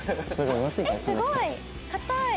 えっすごい！硬い！